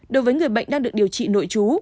đối với người bệnh đang được điều trị nội trú